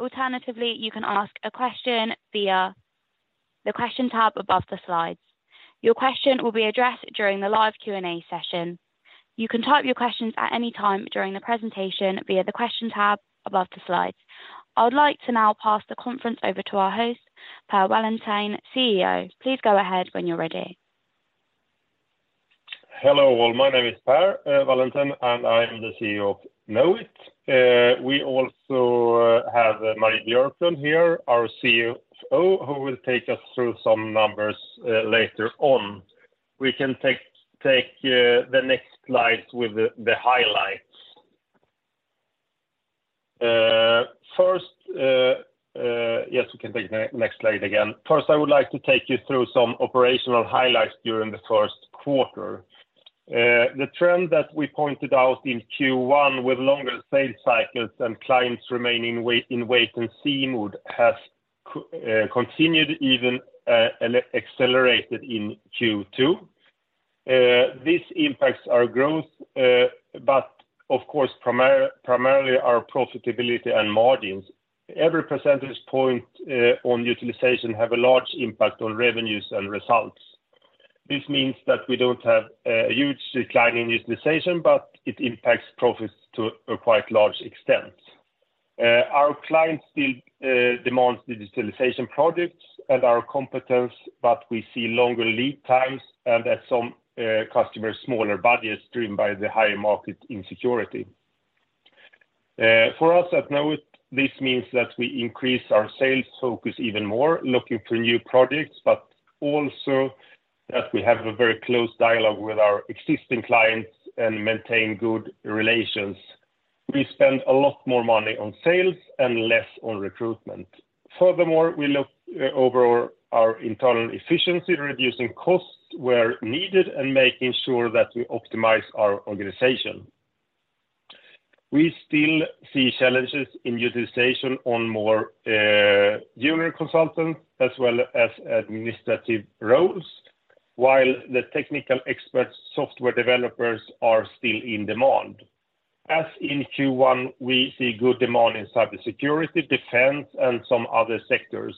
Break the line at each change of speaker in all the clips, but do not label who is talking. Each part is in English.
Alternatively, you can ask a question via the Question tab above the slides. Your question will be addressed during the live Q&A session. You can type your questions at any time during the presentation via the Question tab above the slides. I would like to now pass the conference over to our host, Per Wallentin, CEO. Please go ahead when you're ready.
Hello, all. My name is Per Wallentin, I am the CEO of Knowit. We also have Marie Björklund here, our CFO, who will take us through some numbers later on. We can take the next slide with the highlights. We can take the next slide again. First, I would like to take you through some operational highlights during the first quarter. The trend that we pointed out in Q1 with longer sales cycles and clients remaining in wait-and-see mood has continued, even accelerated in Q2. This impacts our growth, of course, primarily our profitability and margins. Every percentage point on utilization have a large impact on revenues and results. This means that we don't have a huge decline in utilization, but it impacts profits to a quite large extent. Our clients still demands digitalization projects and our competence, but we see longer lead times and that some customers' smaller budgets driven by the higher market insecurity. For us at Knowit, this means that we increase our sales focus even more, looking for new projects, but also that we have a very close dialogue with our existing clients and maintain good relations. We spend a lot more money on sales and less on recruitment. Furthermore, we look overall our internal efficiency, reducing costs where needed, and making sure that we optimize our organization. We still see challenges in utilization on more junior consultants as well as administrative roles, while the technical experts, software developers are still in demand. As in Q1, we see good demand in cybersecurity, defense, and some other sectors.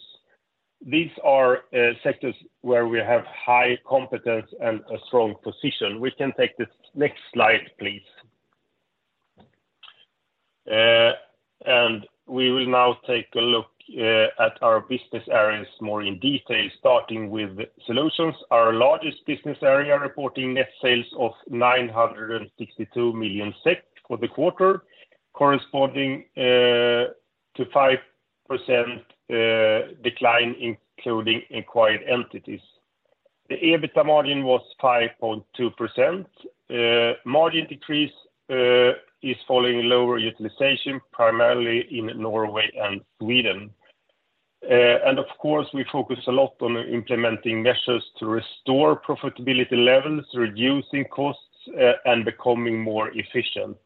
These are sectors where we have high competence and a strong position. We can take the next slide, please. We will now take a look at our business areas more in detail, starting with Solutions, our largest business area, reporting net sales of 962 million SEK for the quarter, corresponding to 5% decline, including acquired entities. The EBITDA margin was 5.2%. Margin decrease is following lower utilization, primarily in Norway and Sweden. Of course, we focus a lot on implementing measures to restore profitability levels, reducing costs, and becoming more efficient.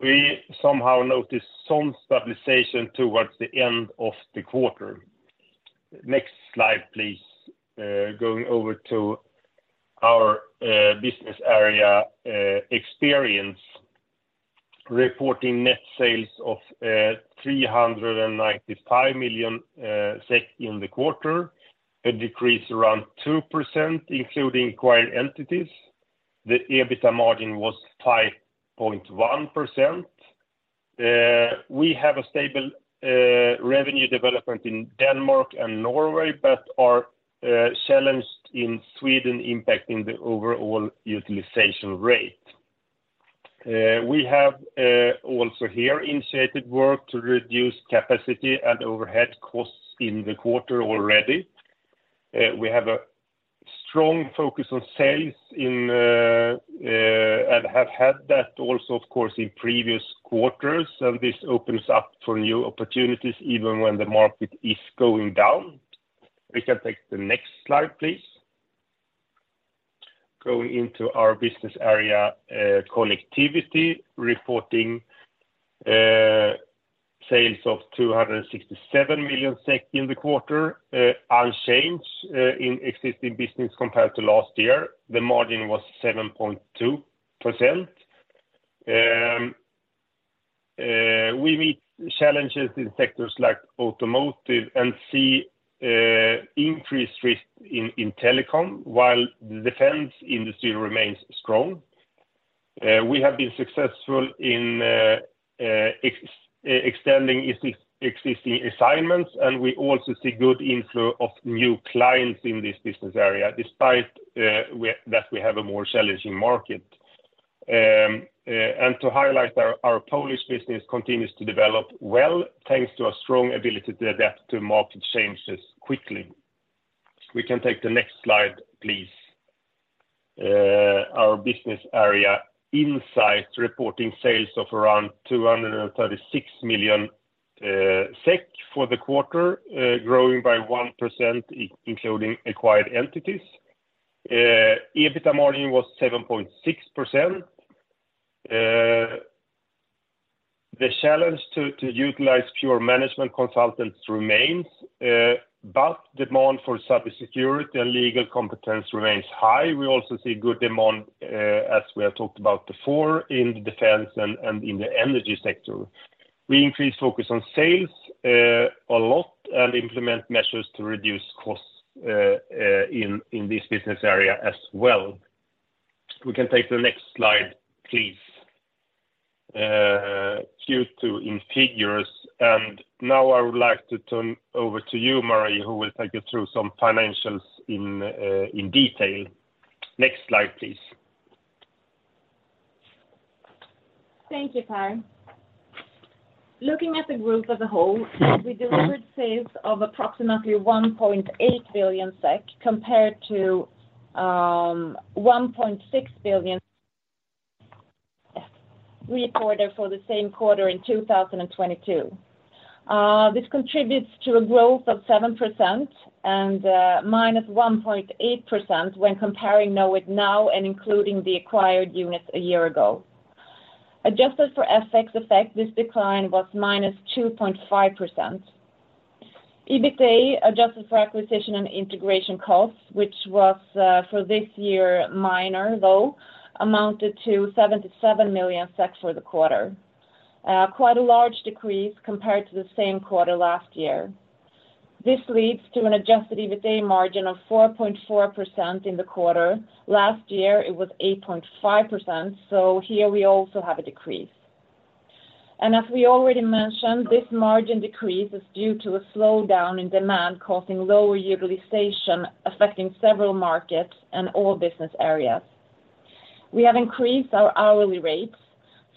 We somehow noticed some stabilization towards the end of the quarter. Next slide, please. Going over to our business area, Experience, reporting net sales of 395 million SEK in the quarter, a decrease around 2%, including acquired entities. The EBITDA margin was 5.1%. We have a stable revenue development in Denmark and Norway, but are challenged in Sweden, impacting the overall utilization rate. We have also here initiated work to reduce capacity and overhead costs in the quarter already. We have a strong focus on sales and have had that also, of course, in previous quarters, and this opens up for new opportunities even when the market is going down. We can take the next slide, please. Going into our business area, Connectivity, reporting sales of 267 million SEK in the quarter, unchanged in existing business compared to last year. The margin was 7.2%. We meet challenges in sectors like automotive and see increased risk in telecom, while the defense industry remains strong. We have been successful in extending existing assignments, and we also see good inflow of new clients in this business area, despite that we have a more challenging market. And to highlight, our Polish business continues to develop well, thanks to a strong ability to adapt to market changes quickly. We can take the next slide, please. Our business area, Insight, reporting sales of around 236 million SEK for the quarter, growing by 1%, including acquired entities. EBITDA margin was 7.6%. The challenge to utilize pure management consultants remains, but demand for cybersecurity and legal competence remains high. We also see good demand, as we have talked about before, in the defense and in the energy sector. We increase focus on sales a lot, and implement measures to reduce costs in this business area as well. We can take the next slide, please. Q2 in figures, and now I would like to turn over to you, Marie, who will take you through some financials in detail. Next slide, please.
Thank you, Per. Looking at the group as a whole, we delivered sales of approximately 1.8 billion SEK, compared to 1.6 billion recorded for the same quarter in 2022. This contributes to a growth of 7% and -1.8% when comparing Knowit now and including the acquired units a year ago. Adjusted for FX effect, this decline was -2.5%. EBITDA, adjusted for acquisition and integration costs, which was for this year, minor, low, amounted to 77 million for the quarter. Quite a large decrease compared to the same quarter last year. This leads to an adjusted EBITDA margin of 4.4% in the quarter. Last year, it was 8.5%, so here we also have a decrease. As we already mentioned, this margin decrease is due to a slowdown in demand, causing lower utilization, affecting several markets and all business areas. We have increased our hourly rates,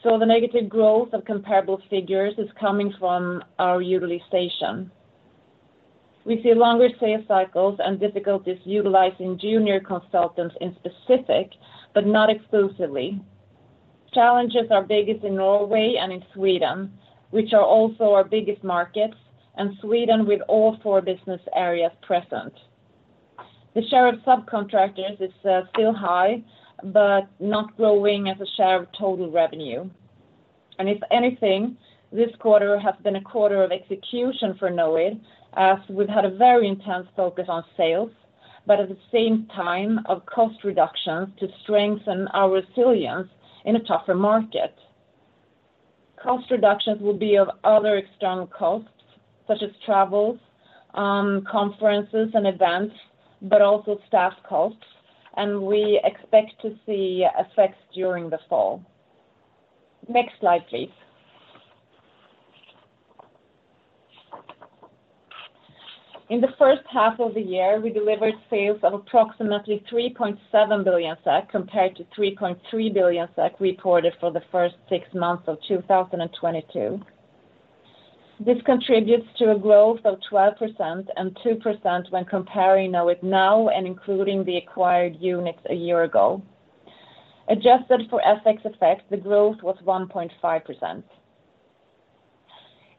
the negative growth of comparable figures is coming from our utilization. We see longer sales cycles and difficulties utilizing junior consultants in specific, but not exclusively. Challenges are biggest in Norway and in Sweden, which are also our biggest markets, and Sweden, with all four business areas present. The share of subcontractors is still high, not growing as a share of total revenue. If anything, this quarter has been a quarter of execution for Knowit, as we've had a very intense focus on sales, at the same time, of cost reductions to strengthen our resilience in a tougher market. Cost reductions will be of other external costs, such as travels, conferences and events, but also staff costs. We expect to see effects during the fall. Next slide, please. In the first half of the year, we delivered sales of approximately 3.7 billion SEK, compared to 3.3 billion SEK recorded for the first six months of 2022. This contributes to a growth of 12% and 2% when comparing Knowit now and including the acquired units a year ago. Adjusted for FX effect, the growth was 1.5%.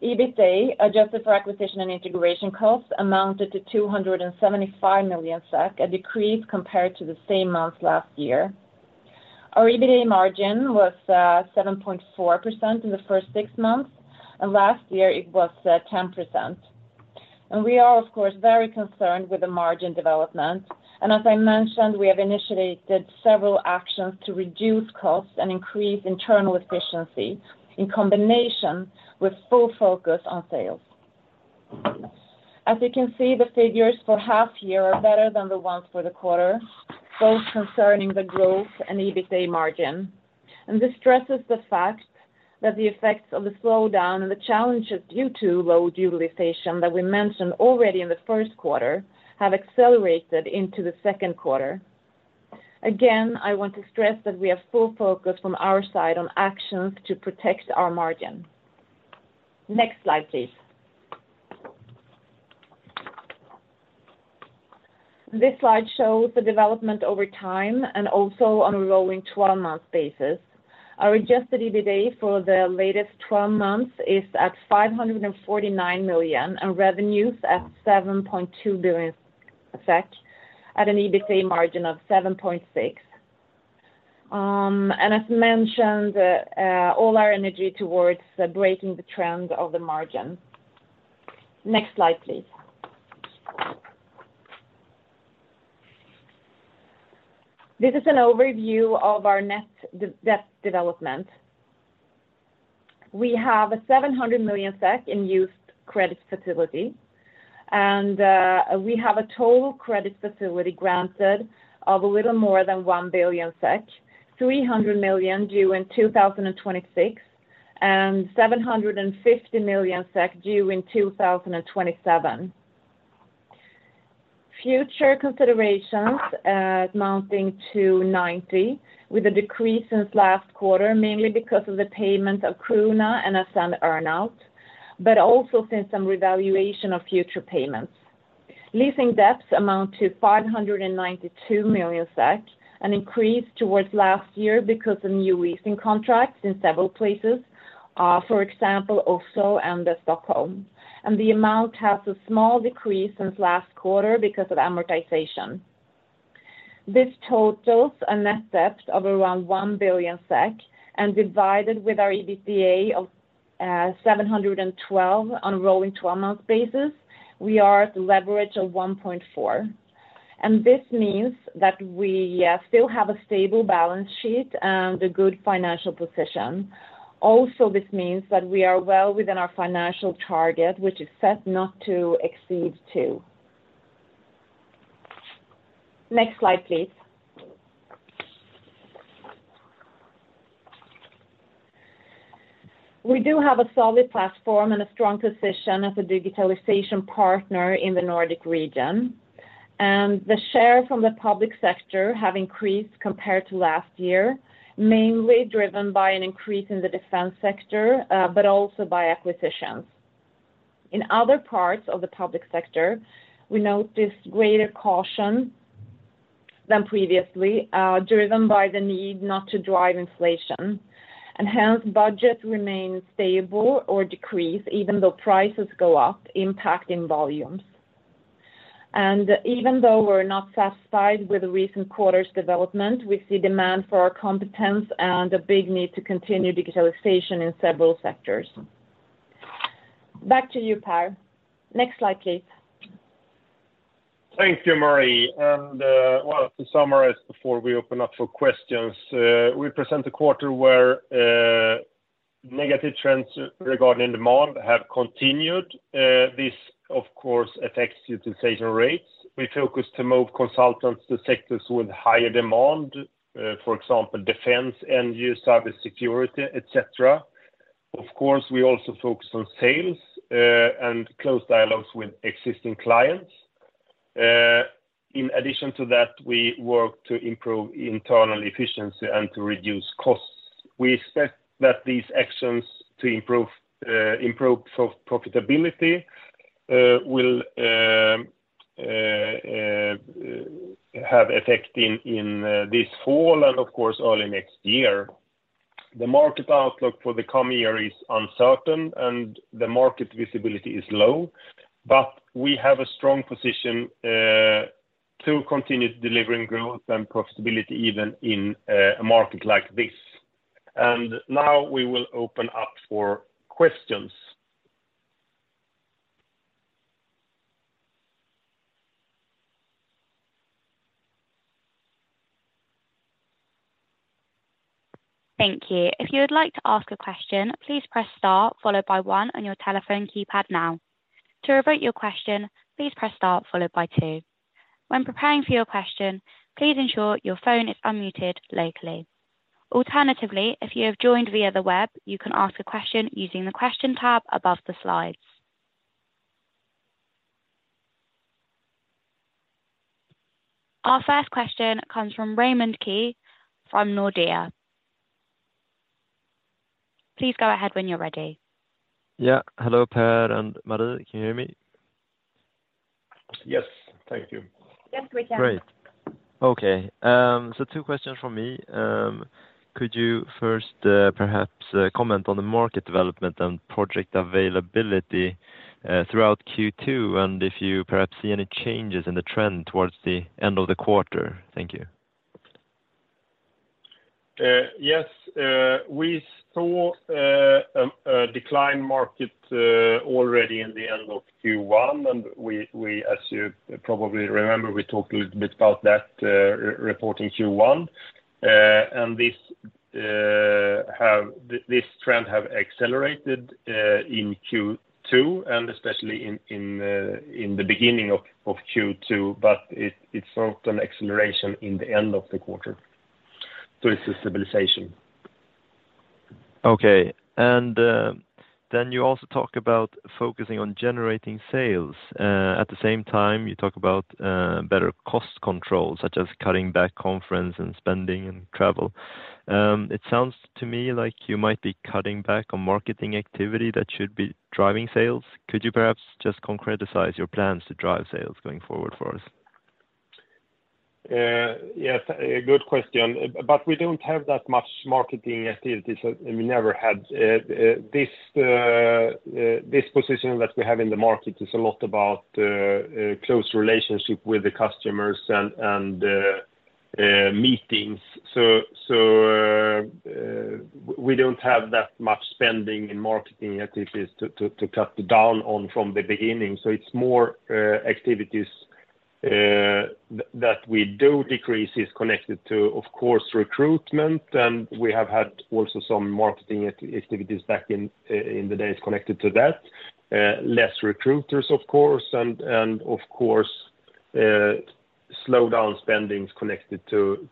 EBITDA, adjusted for acquisition and integration costs, amounted to 275 million SEK, a decrease compared to the same month last year. Our EBITDA margin was 7.4% in the first six months. Last year it was 10%. We are, of course, very concerned with the margin development, and as I mentioned, we have initiated several actions to reduce costs and increase internal efficiency in combination with full focus on sales. As you can see, the figures for half year are better than the ones for the quarter, both concerning the growth and EBITDA margin. This stresses the fact that the effects of the slowdown and the challenges due to low utilization that we mentioned already in the first quarter, have accelerated into the second quarter. Again, I want to stress that we have full focus from our side on actions to protect our margin. Next slide, please. This slide shows the development over time and also on a rolling 12-month basis. Our adjusted EBITDA for the latest 12 months is at 549 million, and revenues at 7.2 billion, at an EBITDA margin of 7.6%. As mentioned, all our energy towards breaking the trend of the margin. Next slide, please. This is an overview of our net debt development. We have 700 million SEK in used credit facility, and we have a total credit facility granted of a little more than 1 billion SEK, 300 million due in 2026, and 750 million SEK due in 2027. Future considerations, amounting to 90 million, with a decrease since last quarter, mainly because of the payment of Creuna and Asane earn-out, but also since some revaluation of future payments. Leasing debts amount to 592 million SEK, an increase towards last year because of new leasing contracts in several places, for example, Oslo and Stockholm. The amount has a small decrease since last quarter because of amortization. This totals a net debt of around 1 billion SEK, divided with our EBITDA of 712 on a rolling 12-month basis, we are at the leverage of 1.4. This means that we still have a stable balance sheet and a good financial position. This means that we are well within our financial target, which is set not to exceed 2. Next slide, please. We do have a solid platform and a strong position as a digitalization partner in the Nordic region, the share from the public sector have increased compared to last year, mainly driven by an increase in the defense sector, but also by acquisitions. In other parts of the public sector, we notice greater caution than previously, driven by the need not to drive inflation, hence, budget remains stable or decrease even though prices go up, impacting volumes. Even though we're not satisfied with the recent quarter's development, we see demand for our competence and a big need to continue digitalization in several sectors. Back to you, Per. Next slide, please.
Thank you, Marie. Well, to summarize before we open up for questions, we present a quarter where negative trends regarding demand have continued. This, of course, affects utilization rates. We focus to move consultants to sectors with higher demand, for example, defense, end-user, cybersecurity, et cetera. Of course, we also focus on sales and close dialogues with existing clients. In addition to that, we work to improve internal efficiency and to reduce costs. We expect that these actions to improve profitability will have effect in this fall and, of course, early next year. The market outlook for the coming year is uncertain, and the market visibility is low, but we have a strong position to continue delivering growth and profitability even in a market like this. Now we will open up for questions.
Thank you. If you would like to ask a question, please press star followed by one on your telephone keypad now. To revoke your question, please press star followed by two. When preparing for your question, please ensure your phone is unmuted locally. Alternatively, if you have joined via the web, you can ask a question using the question tab above the slides. Our first question comes from Raymond Ke from Nordea. Please go ahead when you're ready.
Yeah. Hello, Per and Marie. Can you hear me?
Yes. Thank you.
Yes, we can.
Great. Okay, two questions from me. Could you first, perhaps, comment on the market development and project availability, throughout Q2, and if you perhaps see any changes in the trend towards the end of the quarter? Thank you.
Yes. We saw a decline market already in the end of Q1, and we, as you probably remember, we talked a little bit about that re-reporting Q1. This trend has accelerated in Q2 and especially in the beginning of Q2, but it's not an acceleration in the end of the quarter. It's a stabilization.
You also talk about focusing on generating sales. At the same time, you talk about better cost control, such as cutting back conference and spending and travel. It sounds to me like you might be cutting back on marketing activity that should be driving sales. Could you perhaps just concretize your plans to drive sales going forward for us?
Yes, a good question, we don't have that much marketing activities, and we never had. This position that we have in the market is a lot about close relationship with the customers and meetings. We don't have that much spending in marketing activities to cut down on from the beginning. It's more activities that we do decrease is connected to, of course, recruitment, and we have had also some marketing activities back in the days connected to that. Less recruiters, of course, and of course, slow down spendings connected to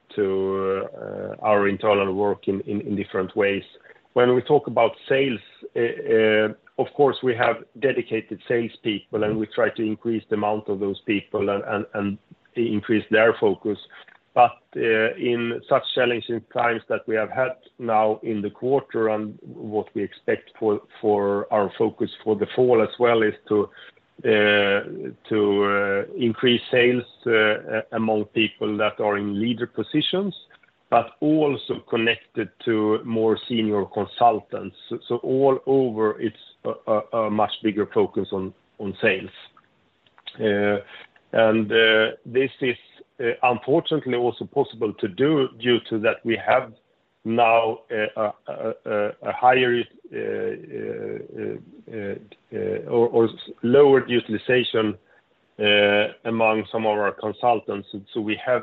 our internal work in different ways. When we talk about sales, of course, we have dedicated sales people, and we try to increase the amount of those people and increase their focus. But in such challenging times that we have had now in the quarter and what we expect for our focus for the fall as well, is to increase sales among people that are in leader positions, but also connected to more senior consultants. So all over, it's a much bigger focus on sales. And this is unfortunately, also possible to do due to that we have now a higher or lower utilization among some of our consultants. So we have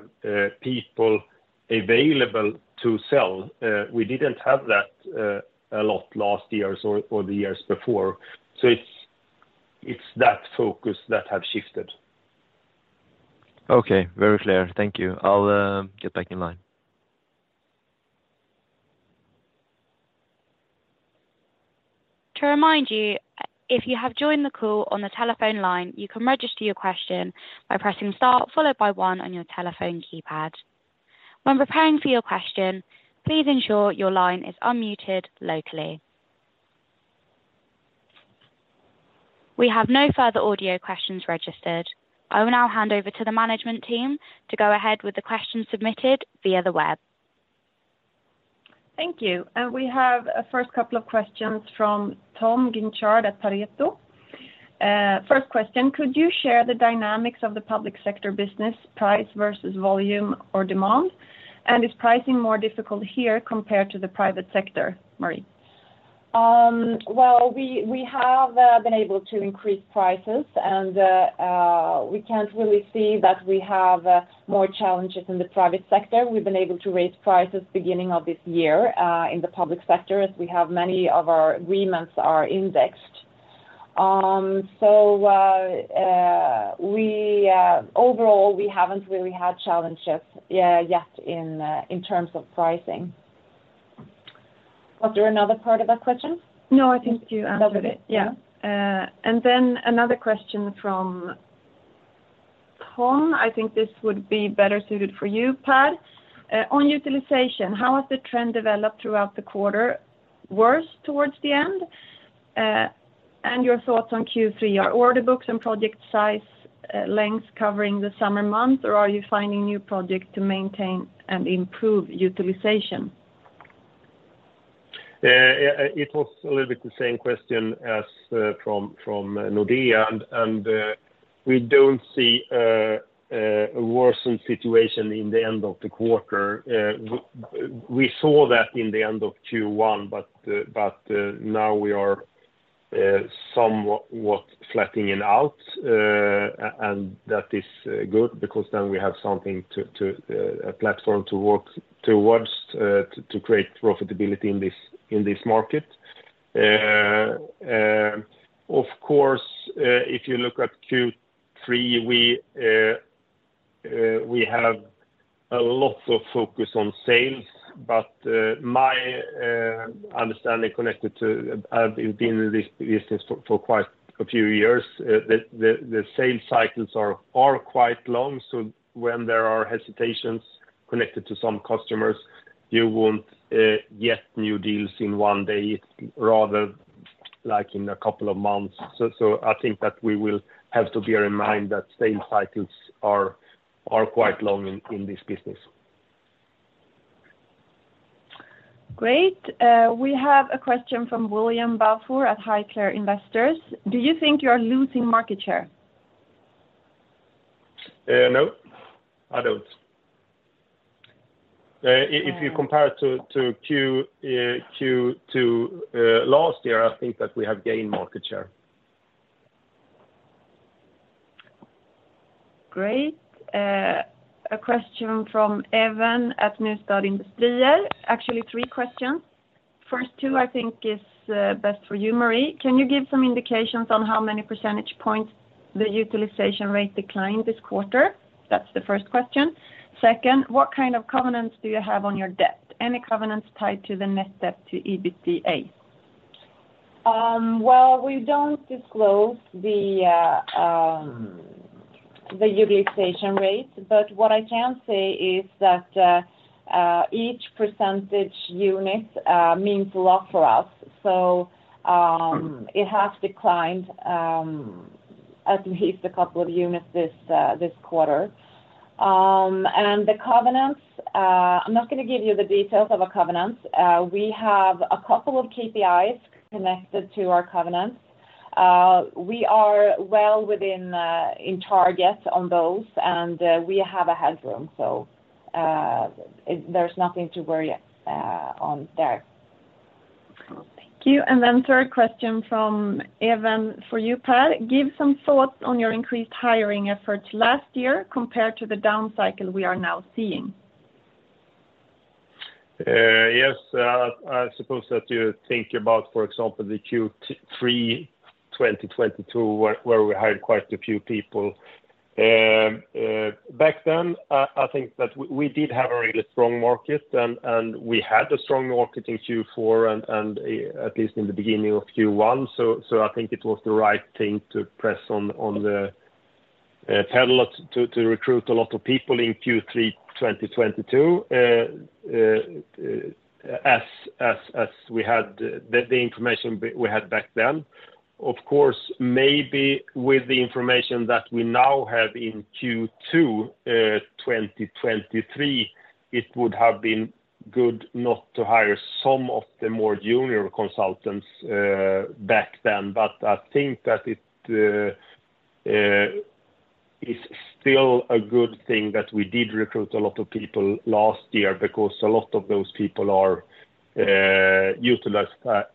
people available to sell. We didn't have that, a lot last year or the years before. It's that focus that have shifted.
Okay, very clear. Thank you. I'll get back in line.
To remind you, if you have joined the call on the telephone line, you can register your question by pressing star followed by one on your telephone keypad. When preparing for your question, please ensure your line is unmuted locally. We have no further audio questions registered. I will now hand over to the management team to go ahead with the questions submitted via the web.
Thank you. We have a first couple of questions from Tom Guinchard at Pareto. First question, could you share the dynamics of the public sector business price versus volume or demand? Is pricing more difficult here compared to the private sector, Marie?
Well, we have been able to increase prices, and we can't really see that we have more challenges in the private sector. We've been able to raise prices beginning of this year, in the public sector, as we have many of our agreements are indexed. Overall, we haven't really had challenges yet in terms of pricing. Was there another part of that question?
No, I think you answered it. Yeah. Then another question from Tom. I think this would be better suited for you, Per. On utilization, how has the trend developed throughout the quarter, worse towards the end? Your thoughts on Q3, are order books and project size, lengths covering the summer months, or are you finding new projects to maintain and improve utilization?
It was a little bit the same question as from Nordea, and we don't see a worsened situation in the end of the quarter. We saw that in the end of Q1, but now we are somewhat flattening it out. That is good because then we have something to a platform to work towards, to create profitability in this market. Of course, if you look at Q3, we have a lot of focus on sales, but my understanding connected to, I've been in this business for quite a few years, the sales cycles are quite long. When there are hesitations connected to some customers, you won't get new deals in one day, rather, like in a couple of months. I think that we will have to bear in mind that sales cycles are quite long in this business.
Great. We have a question from William Balfour at Highclere Investors. Do you think you're losing market share?
No, I don't. If you compare to Q to last year, I think that we have gained market share.
Great. A question from Evan at. Actually, three questions. First two, I think is best for you, Marie. Can you give some indications on how many percentage points the utilization rate declined this quarter? That's the first question. Second, what kind of covenants do you have on your debt? Any covenants tied to the net debt to EBITDA?
Well, we don't disclose the utilization rate, but what I can say is that each percentage unit means a lot for us. It has declined at least a couple of units this this quarter. The covenants, I'm not going to give you the details of a covenant. We have a couple of KPIs connected to our covenants. We are well within in target on those, and we have a headroom, so, there's nothing to worry on there.
Thank you. Third question from Evan for you, Per: Give some thoughts on your increased hiring efforts last year compared to the down cycle we are now seeing.
Yes, I suppose that you think about, for example, the Q3 2022, where we hired quite a few people. Back then, I think that we did have a really strong market, and we had a strong market in Q4, and at least in the beginning of Q1. I think it was the right thing to press on the pedal to recruit a lot of people in Q3 2022, as we had the information we had back then. Of course, maybe with the information that we now have in Q2 2023, it would have been good not to hire some of the more junior consultants back then. I think that it. It's still a good thing that we did recruit a lot of people last year because a lot of those people are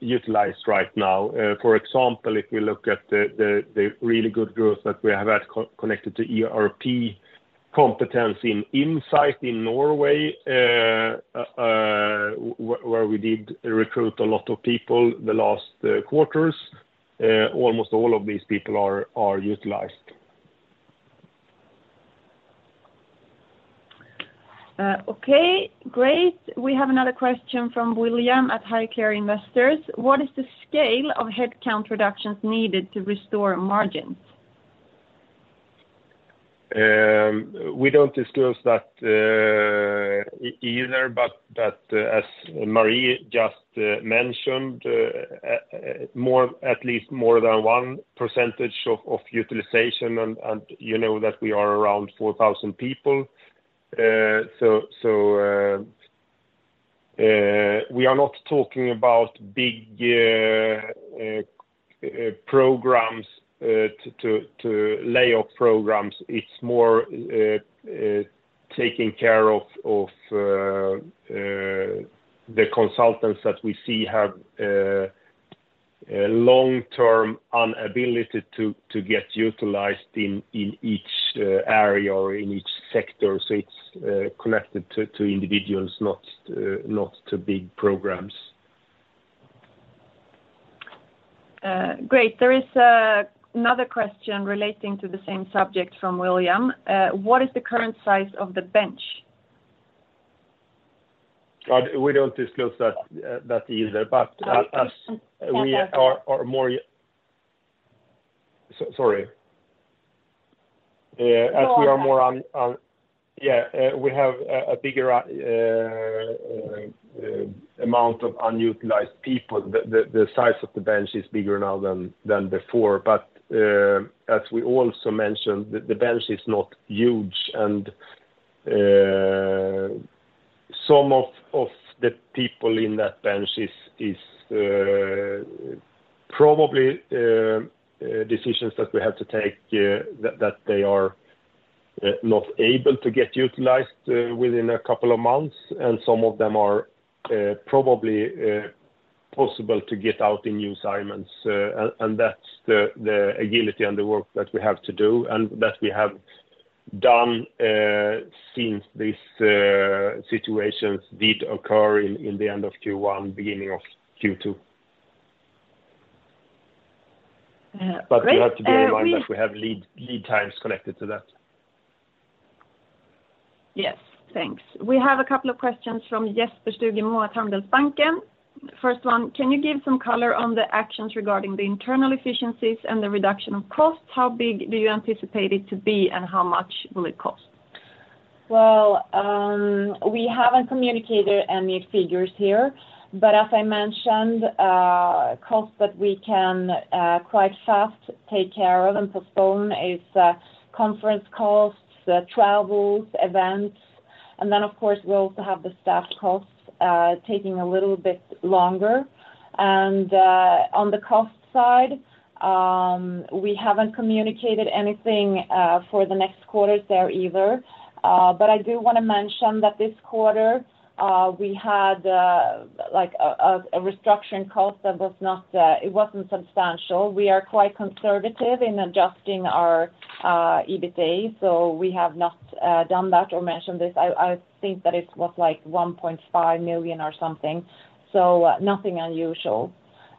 utilized right now. For example, if we look at the really good growth that we have had connected to ERP competency in Insight in Norway, where we did recruit a lot of people the last quarters, almost all of these people are utilized.
Okay, great. We have another question from William at Highclere Investors: What is the scale of headcount reductions needed to restore margins?
We don't disclose that either, but as Marie just mentioned, at least more than 1% of utilization, and you know that we are around 4,000 people. We are not talking about big programs to lay off programs. It's more taking care of the consultants that we see have a long-term inability to get utilized in each area or in each sector. It's connected to individuals, not to big programs.
Great. There is another question relating to the same subject from William. What is the current size of the bench?
We don't disclose that either.
I understand.
We are more... sorry.
No.
As we are more on... Yeah, we have a bigger amount of unutilized people. The size of the bench is bigger now than before, as we also mentioned, the bench is not huge, and some of the people in that bench is probably decisions that we have to take, that they are not able to get utilized within a couple of months, and some of them are probably possible to get out in new assignments. That's the agility and the work that we have to do, and that we have done, since this situations did occur in the end of Q1, beginning of Q2.
Great.
We have to bear in mind that we have lead times connected to that.
Yes, thanks. We have a couple of questions from Jesper Stugemo at Handelsbanken. First one, can you give some color on the actions regarding the internal efficiencies and the reduction of cost? How big do you anticipate it to be, and how much will it cost?
Well, we haven't communicated any figures here, but as I mentioned, cost that we can quite fast take care of and postpone is conference costs, travels, events, and then, of course, we also have the staff costs taking a little bit longer. On the cost side, we haven't communicated anything for the next quarters there either. But I do want to mention that this quarter, we had like a restructuring cost that wasn't substantial. We are quite conservative in adjusting our EBITDA, so we have not done that or mentioned this. I think that it was like 1.5 million or something, so nothing unusual.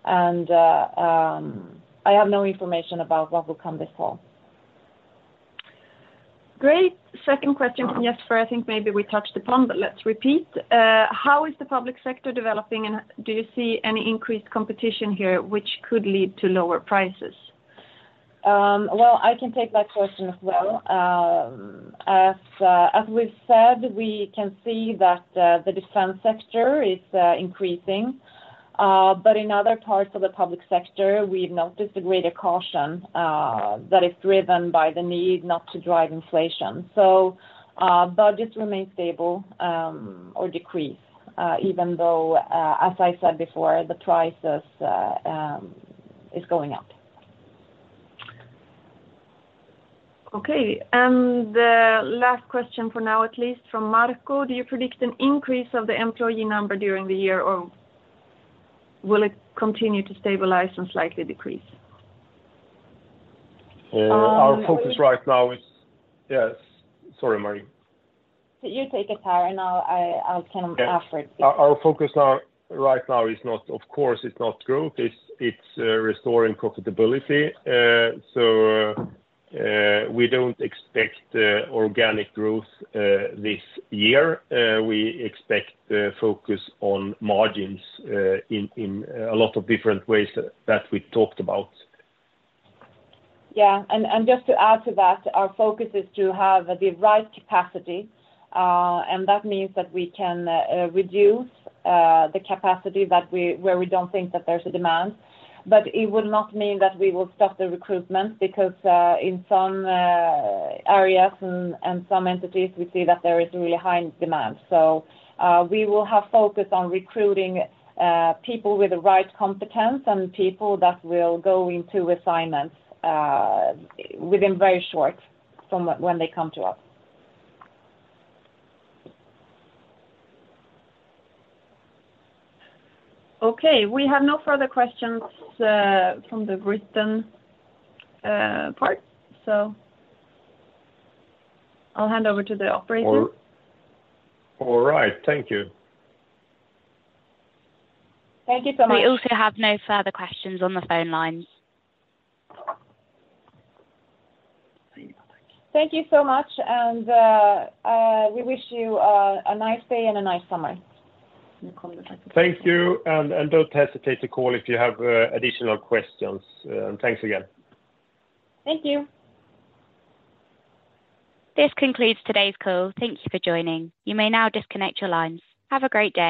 I have no information about what will come this fall.
Great. Second question from Jesper I think maybe we touched upon, but let's repeat. How is the public sector developing, and do you see any increased competition here which could lead to lower prices?
Well, I can take that question as well. As, as we've said, we can see that the defense sector is increasing, but in other parts of the public sector, we've noticed a greater caution that is driven by the need not to drive inflation. Budgets remain stable or decrease, even though, as I said before, the prices is going up.
Okay, the last question for now, at least from Marco: Do you predict an increase of the employee number during the year, or will it continue to stabilize and slightly decrease?
Uh.
Um-
Our focus right now is... Yes. Sorry, Marie.
You take it, Per, and I'll come after it.
Our focus are, right now is not, of course, it's not growth, it's restoring profitability. We don't expect organic growth this year. We expect focus on margins in a lot of different ways that we talked about.
Just to add to that, our focus is to have the right capacity, and that means that we can reduce the capacity that where we don't think that there's a demand. It will not mean that we will stop the recruitment, because in some areas and some entities, we see that there is really high demand. We will have focus on recruiting people with the right competence and people that will go into assignments within very short from when they come to us.
We have no further questions from the written part, so I'll hand over to the operator.
All right. Thank you.
Thank you so much.
We also have no further questions on the phone lines.
Thank you so much, we wish you a nice day and a nice summer.
Thank you, and don't hesitate to call if you have additional questions. Thanks again.
Thank you.
This concludes today's call. Thank Thank you for joining. You may now disconnect your lines. Have a great day.